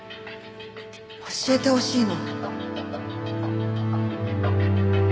教えてほしいの。